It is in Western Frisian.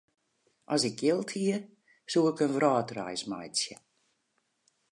As ik jild hie, soe ik in wrâldreis meitsje.